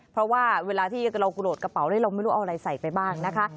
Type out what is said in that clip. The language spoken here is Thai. เพราะว่าเวลาที่เรากระโดดกระเป๋านี้เราไม่รู้เอาอะไรใส่ไปบ้างนะคะ